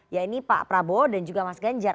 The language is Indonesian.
ya ini pak prabowo dan juga mas ganjar